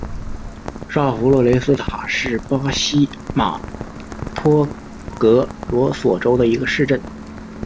上弗洛雷斯塔是巴西马托格罗索州的一个市镇。